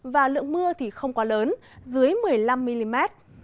và lượng mưa thì không quá lớn dưới một mươi năm mm